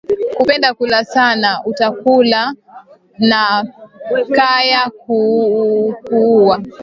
Kupenda kula sana uta kula na kya kukuuwa